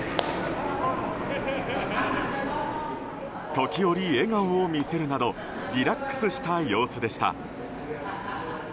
時折、笑顔を見せるなどリラックスした様子でした。